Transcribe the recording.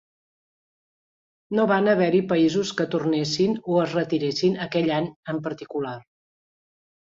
No van haver-hi països que tornessin o es retiressin aquell any en particular.